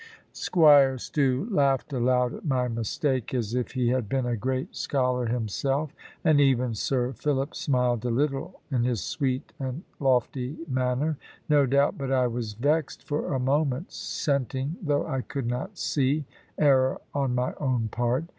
Squire Stew laughed loud at my mistake, as if he had been a great scholar himself; and even Sir Philip smiled a little in his sweet and lofty manner. No doubt but I was vexed for a moment, scenting (though I could not see) error on my own part.